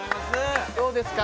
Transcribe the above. どうですか？